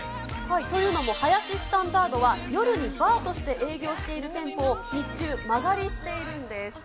というのも、ハヤシスタンダードは、夜にバーとして営業している店舗を、日中、間借りしているんです。